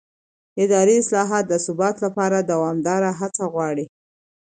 اداري اصلاحات د ثبات لپاره دوامداره هڅه غواړي